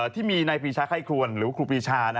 ที่มีในปีชาไข้ครวนหรือว่าครูปีชา